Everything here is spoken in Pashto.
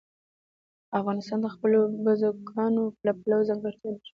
افغانستان د خپلو بزګانو له پلوه ځانګړتیاوې لري.